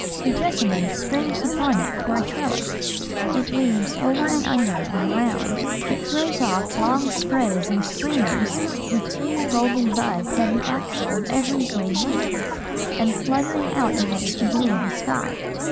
The jessamine springs upon it for a trellis: it weaves over and under and around; it throws off long sprays and streamers with two golden buds at the axil of every green leaf, and fluttering out against the blue of the sky.